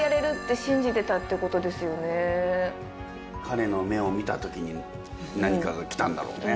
彼の目を見た時に何かがきたんだろうね。